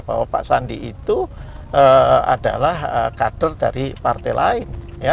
bahwa pak sandi itu adalah kader dari partai lain